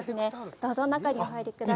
どうぞ、中にお入りください。